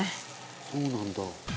「そうなんだ」